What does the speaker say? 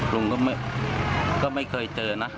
ลุงก็ไม่เคยเจอนะ